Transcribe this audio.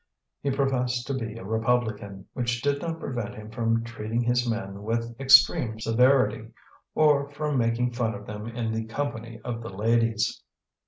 He professed to be a Republican, which did not prevent him from treating his men with extreme severity, or from making fun of them in the company of the ladies.